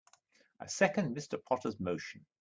I second Mr. Potter's motion.